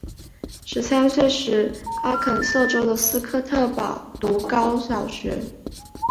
十三岁时阿肯色州的斯科特堡读高小学。